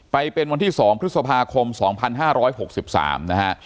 ไปเป็นวันที่๒พฤษภาคม๒๕๖๓นะฮะ